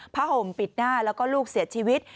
ห่มปิดหน้าแล้วก็ลูกเสียชีวิต